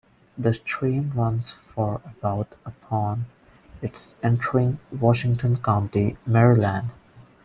The stream runs for about upon its entering Washington County, Maryland.